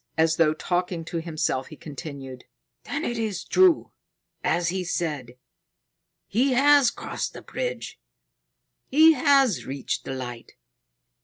As though talking to himself, he continued: "Then it is true, as he said. He has crossed the bridge. He has reached the Light.